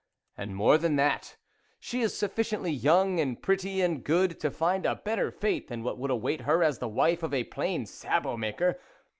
And more than that, she is sufficiently young and pretty and good, to find a better fate than what would await her as the wife of a plain sabot maker.